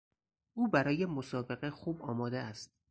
او برای مسابقه خوب آماده است.